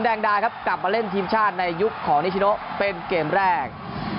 แดงดาครับกลับมาเล่นทีมชาติในยุคของนิชโนเป็นเกมแรก